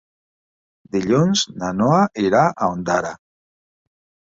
Dilluns na Noa irà a Ondara.